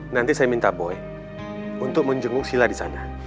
nanti saya minta boy untuk menjenguk sila di sana